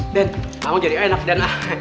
den kamu jadi anak den lah